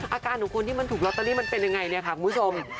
อาการของคนที่มันถูกลอตเตอรี่มันเป็นยังไงเนี่ยค่ะคุณผู้ชม